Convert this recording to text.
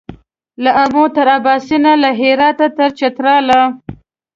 له آمو تر اباسینه له هراته تر چتراله